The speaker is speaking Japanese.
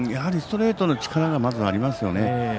ストレートの力がまずありますよね。